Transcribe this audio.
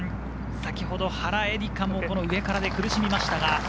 先ほど原英莉花も上からで苦しみました。